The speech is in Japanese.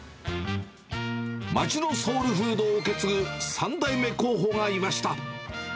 街のソウルフードを受け継ぐ３代目候補がいました。